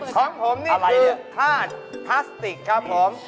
ของผมนี่คือธาตุพลาสติกครับผม